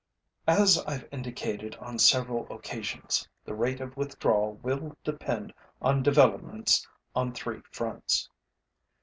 As IÆve indicated on several occasions, the rate of withdrawal will depend on developments on three fronts.